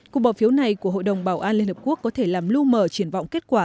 cuộc bỏ phiếu này của hội đồng bảo an liên hợp quốc có thể làm lưu mở triển vọng kết quả